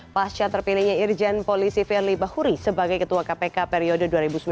pasca terpilihnya irjen polisi firly bahuri sebagai ketua kpk periode dua ribu sembilan belas dua ribu dua puluh